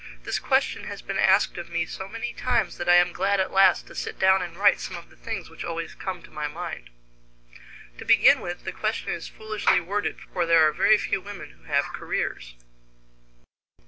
This question has been asked of me so many times that I am glad at last to sit down and write some of the things which always come to my mind. To begin with, the question is foolishly worded, for there are very few women who have careers.